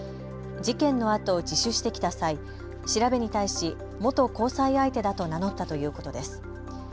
事件のあと自首してきた際、調べに対し元交際相手だと名乗ったということです。